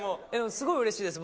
すごいうれしいです。